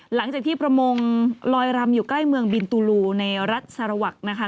หลังจากที่ประมงลอยรำอยู่ใกล้เมืองบินตูลูในรัฐสารวักนะคะ